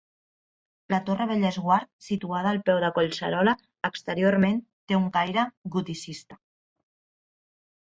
La torre Bellesguard, situada al peu de Collserola, exteriorment té un caire goticista.